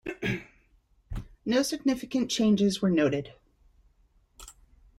No significant changes were noted.